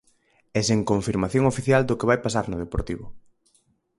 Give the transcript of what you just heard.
E sen confirmación oficial do que vai pasar no Deportivo.